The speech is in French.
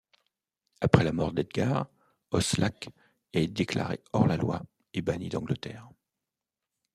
Après la mort d'Edgar, Oslac est déclaré hors-la-loi et banni d'Angleterre.